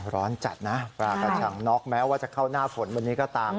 ร้อนจัดนะปลากระชังน็อกแม้ว่าจะเข้าหน้าฝนวันนี้ก็ตาม